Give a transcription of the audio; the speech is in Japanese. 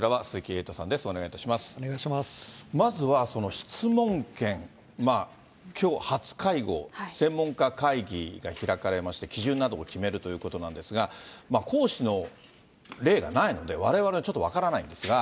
まずは質問権、きょう初会合、専門家会議が開かれまして、基準などを決めるということなんですが、行使の例がないので、われわれはちょっと分からないんですが。